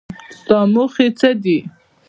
ستا موخې څه دي ؟